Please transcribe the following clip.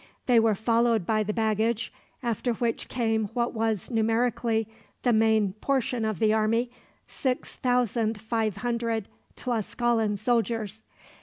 They were followed by the baggage, after which came what was numerically the main portion of the army, six thousand five hundred Tlascalan soldiers.